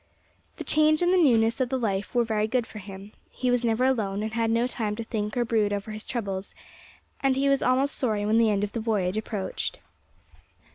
The change and the newness of the life were very good for him; he was never alone, and had no time to think or brood over his troubles, and he was almost sorry when the end of the voyage approached.